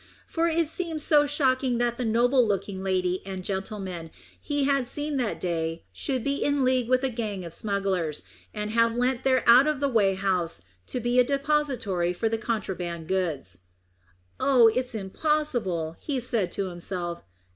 For it seemed so shocking that the noble looking lady and gentleman he had seen that day should be in league with a gang of smugglers, and have lent their out of the way house to be a depository for the contraband goods. "Oh, it's impossible," he said to himself.